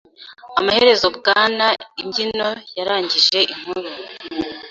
Amaherezo Bwana Imbyino yarangije inkuru.